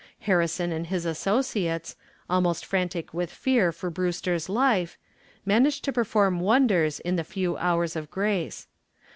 Harrison and his associates, almost frantic with fear for Brewster's life, managed to perform wonders in the few hours of grace.